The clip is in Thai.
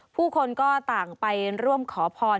ผู้คนก็ต่างไปร่วมขอพร